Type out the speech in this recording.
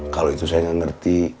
kalau itu saya nggak ngerti